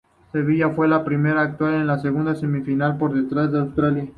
Serbia fue la primera en actuar en la segunda semifinal por detrás de Austria.